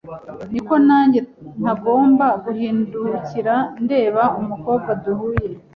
niko nange ntagomba guhindukira ndeba umukobwa duhuye